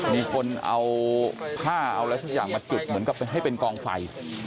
มีคนเอาท่าเอาพอย่างมาจุดเหมือนให้เป็นกองไฟ